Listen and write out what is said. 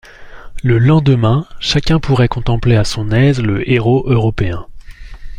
Le lendemain chacun pourrait contempler à son aise le héros européen.